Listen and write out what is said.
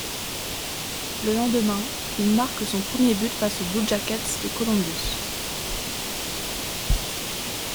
Le lendemain, il marque son premier but face aux Blue Jackets de Columbus.